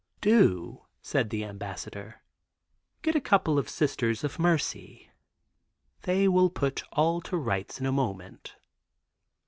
'Do?' said the Ambassador; 'get a couple of Sisters of Mercy; they will put all to rights in a moment.